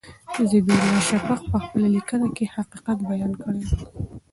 ذبیح الله شفق په خپله لیکنه کې حقیقت بیان کړی دی.